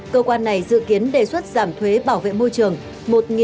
cơ quan này dự kiến đề xuất giảm thuế bảo vệ môi trường